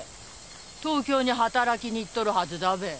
東京に働きに行っとるはずだべ。